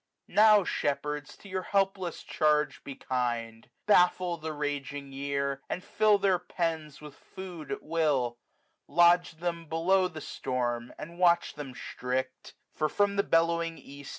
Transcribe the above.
Now, shepherds, to your helpless charge be kindf Baffle the raging year, and fill their pens 266 With food at will ; lo^e them below the storm. And watch them strict : for from the bellowing east.